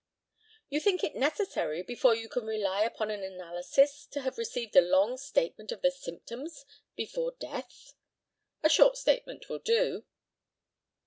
You think it necessary before you can rely upon an analysis to have received a long statement of the symptoms before death? A short statement will do.